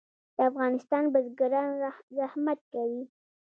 د افغانستان بزګران زحمت کوي